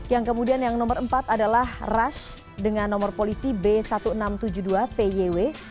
yang kemudian yang nomor empat adalah rash dengan nomor polisi b seribu enam ratus tujuh puluh dua pyw